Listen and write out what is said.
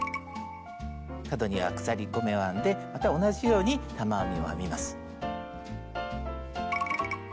角には鎖５目を編んでまた同じように玉編みを編みます。